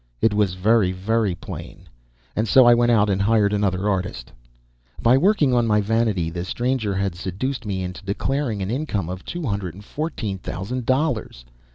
It was very, very plain; and so I went out and hired another artist. By working on my vanity, the stranger had seduced me into declaring an income of two hundred and fourteen thousand dollars.